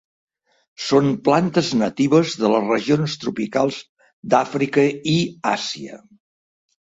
Són plantes natives de les regions tropicals d'Àfrica i Àsia.